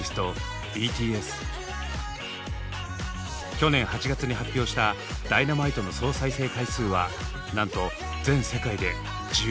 去年８月に発表した「Ｄｙｎａｍｉｔｅ」の総再生回数はなんと全世界で１０億超え！